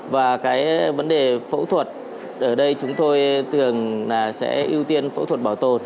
và cái vấn đề phẫu thuật ở đây chúng tôi thường là sẽ ưu tiên phẫu thuật bảo tồn